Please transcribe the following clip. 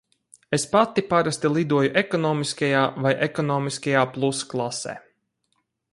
Es pati parasti lidoju ekonomiskajā vai ekonomiskajā plus klasē.